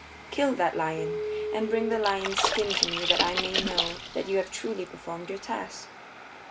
Kill that lion, and bring the lion's skin to me that I may know that you have truly performed your task."